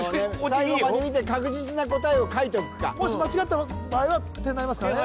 最後まで見て確実な答えを書いておくかもし間違った場合は点になりますからね